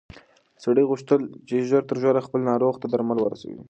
سړي غوښتل چې ژر تر ژره خپل ناروغ ته درمل ورسوي.